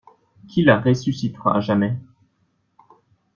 Qui la ressuscitera jamais?